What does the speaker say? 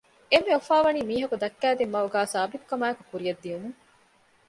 އެންމެ އުފާވަނީ މީހަކު ދައްކައިދިން މަގުގައި ސާބިތުކަމާއެކު ކުރިއަށް ދިއުމުން